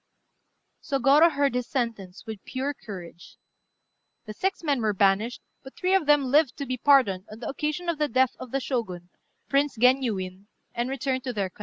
Sôgorô heard his sentence with pure courage. The six men were banished; but three of them lived to be pardoned on the occasion of the death of the Shogun, Prince Genyuin, and returned to their country.